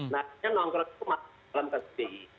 nah ini nongkrong itu masuk dalam ke cbi